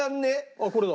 あっこれだ。